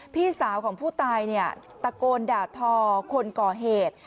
พี่สาวของผู้ตายเนี่ยตะโกนด่าทอคนก่อเหตุ